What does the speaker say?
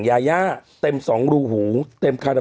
แหละแหละแหละแหละ